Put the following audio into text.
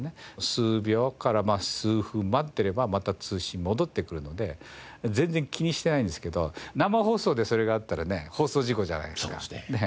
数秒から数分待っていればまた通信戻ってくるので全然気にしてないんですけど生放送でそれがあったらね放送事故じゃないですか。